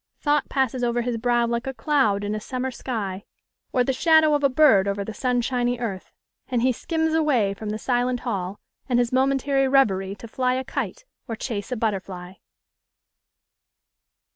Thought passes over his brow like a cloud in a summer sky, or the shadow of a bird over the sunshiny earth; and he skims away from the silent hall and his momentary reverie to fly a kite or chase a butterfly!